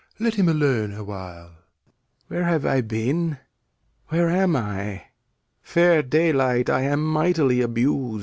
Let him alone awhile. Lear. Where have I been? Where am I? Fair daylight, I am mightily abus'd.